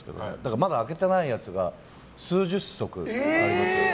まだ開けてないやつが数十足あります。